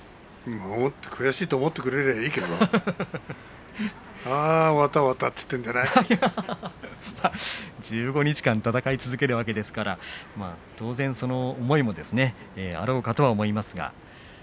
悔しいと思ってくれればいいけどねああ終わった、終わったと１５日間戦い続けるわけですから当然その思いもあろうかと思います。